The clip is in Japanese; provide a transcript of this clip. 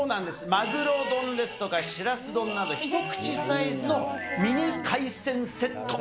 まぐろ丼ですとかしらす丼など、一口サイズのミニ海鮮セット。